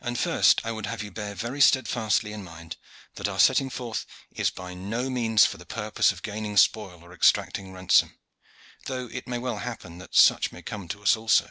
And first I would have you bear very steadfastly in mind that our setting forth is by no means for the purpose of gaining spoil or exacting ransom, though it may well happen that such may come to us also.